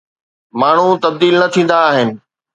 ماڻهو تبديل نه ٿيندا آهن.